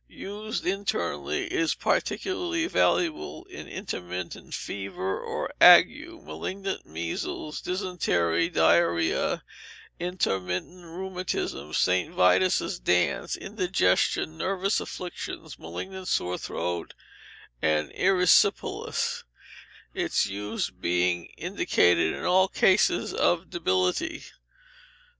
Used internally, it is particularly valuable in intermittent fever or ague, malignant measles, dysentery, diarrhoea, intermittent rheumatism, St. Vitus's dance, indigestion, nervous affections, malignant sore throat, and erysipelas; its use being indicated in all cases of debility.